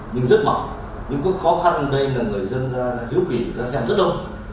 nhưng rất mỏng những cái khó khăn ở đây là người dân ra hiếu kỳ ra xem rất đông